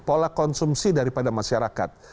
pola konsumsi daripada masyarakat